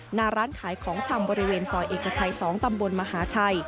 หน้าร้านขายของชำบริเวณซอยเอกชัย๒ตำบลมหาชัย